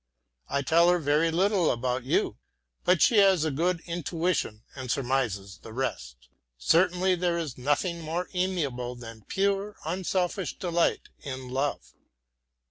I tell her very little about you, but she has a good intuition and surmises the rest. Certainly there is nothing more amiable than pure, unselfish delight in love.